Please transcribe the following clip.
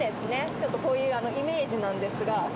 ちょっとこういうイメージなんですが。